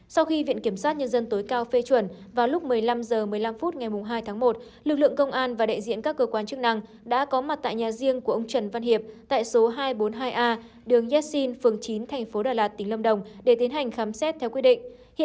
sau khi viện kiểm sát nhân dân tối cao phê chuẩn vào lúc một mươi năm h một mươi năm phút ngày hai tháng một lực lượng công an và đại diện các cơ quan chức năng đã có mặt tại nhà riêng của ông trần văn hiệp tại số hai trăm bốn mươi hai a đường yasxin phường chín thành phố đà lạt tỉnh lâm đồng để tiến hành khám xét theo quy định